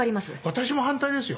私も反対ですよ。